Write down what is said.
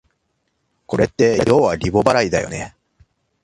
これってようはリボ払いだよね